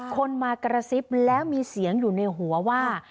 คนมากระซิบแล้วมีเสียงอยู่ในหัวว่า